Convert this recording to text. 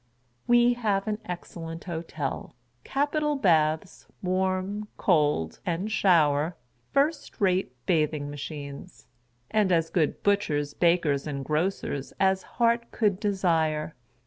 We have an ex cellent Hotel — capital baths, warm, cold, and shower — first rate bathing machines — and as good butchers, bakers, and grocers, as heart could desire.